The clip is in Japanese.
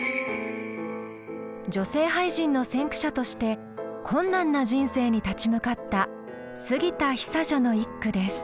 女性俳人の先駆者として困難な人生に立ち向かった杉田久女の一句です。